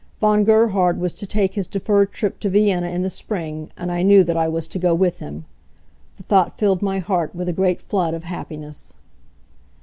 Von Gerhard was to take his deferred trip to Vienna in the spring, and I knew that I was to go with him. The thought filled my heart with a great flood of happiness.